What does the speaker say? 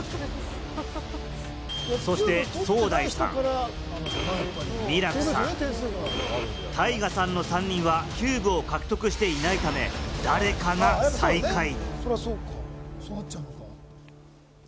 そしてソウダイさん、ミラクさん、タイガさんの３人はキューブを獲得していないため、誰かが最下位。